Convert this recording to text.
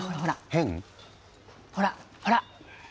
ほらほら。